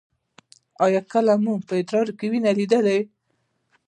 ایا کله مو ادرار کې وینه لیدلې؟